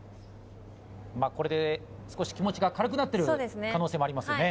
まあこれで少し気持ちが軽くなってる可能性もありますよね